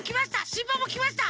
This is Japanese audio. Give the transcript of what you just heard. しんぱんもきました。